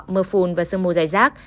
mưa phùn và sương mù dài rác